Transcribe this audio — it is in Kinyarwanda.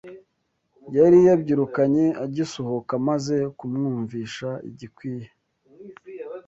Yali yabyirukanye agisohoka Maze kumwumvisha igikwiye